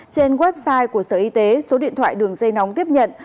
trên website của sở y tế số điện thoại đường dây nóng tiếp nhận